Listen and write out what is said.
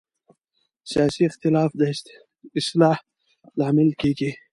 سیاسي اختلاف د اصلاح لامل کېږي